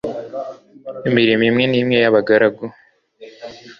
imirimo imwe n'imwe y'abagaragu